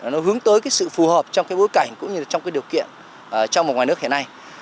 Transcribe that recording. nó hướng tới sự phù hợp trong bối cảnh cũng như trong điều kiện trong và ngoài nước hiện nay